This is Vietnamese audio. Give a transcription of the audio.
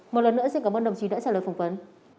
một lần nữa xin cảm ơn đồng chí đã trả lời phỏng vấn